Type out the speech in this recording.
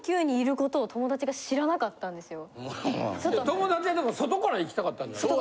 友達はでも外から行きたかったんじゃないの？